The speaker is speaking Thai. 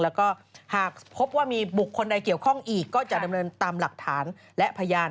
แล้วก็หากพบว่ามีบุคคลใดเกี่ยวข้องอีกก็จะดำเนินตามหลักฐานและพยาน